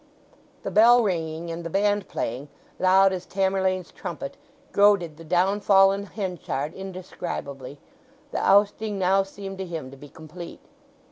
The bell ringing and the band playing, loud as Tamerlane's trumpet, goaded the downfallen Henchard indescribably: the ousting now seemed to him to be complete.